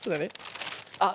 あっ。